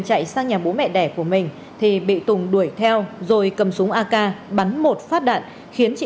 chạy sang nhà bố mẹ đẻ của mình thì bị tùng đuổi theo rồi cầm súng ak bắn một phát đạn khiến chị